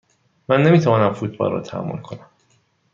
من نمی توانم فوتبال را تحمل کنم.